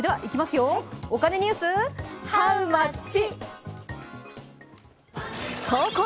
お金ニュース、ハウ・マッチ？